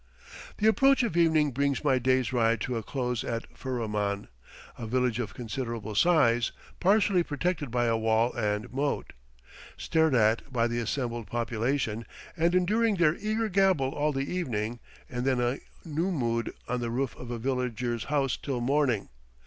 The approach of evening brings my day's ride to a close at Furriman, a village of considerable size, partially protected by a wall and moat, Stared at by the assembled population, and enduring their eager gabble all the evening, and then a nummud on the roof of a villager's house till morning.